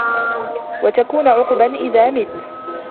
وَتَكُونُ عُقْبًا إذَا مِتَّ